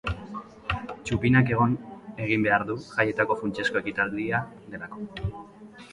Txupinak egon egin behar du, jaietako funtsezko ekitaldia delako.